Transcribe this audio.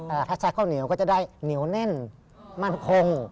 ถ้าใช้ข้าวเหนียวก็จะได้เหนียวแน่นมั่นคง